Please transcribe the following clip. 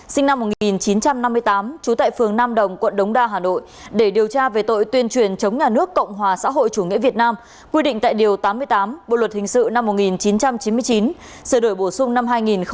sinh năm một nghìn chín trăm năm mươi tám trú tại phường nam đồng quận đống đa hà nội để điều tra về tội tuyên truyền chống nhà nước cộng hòa xã hội chủ nghĩa việt nam quy định tại điều tám mươi tám bộ luật hình sự năm một nghìn chín trăm chín mươi chín sửa đổi bổ sung năm hai nghìn một mươi năm